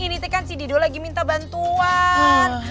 ini tuh kan si dido lagi minta bantuan